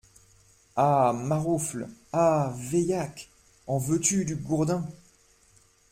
Ah ! maroufle ! ah ! veillaque ! en veux-tu, du gourdin ?